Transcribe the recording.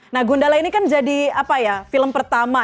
nah gundala ini kan jadi apa ya film pertama